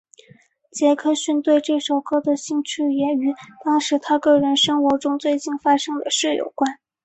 杰克逊对这首歌的兴趣也与当时他个人生活中最近发生的事有关。